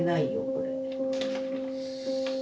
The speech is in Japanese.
これ。